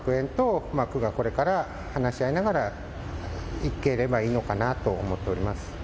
区がこれから話し合いながらいければいいなと思っております。